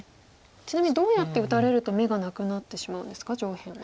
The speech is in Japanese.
ちなみにどうやって打たれると眼がなくなってしまうんですか上辺は。